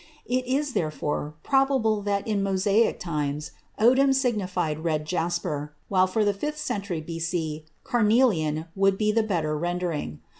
It is, therefore, probable that in Mosaic times odem signified red jasper, while for the fifth century B.C. "carnelian" would be the better rendering.